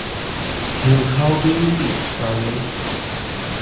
And how do you live, Charley?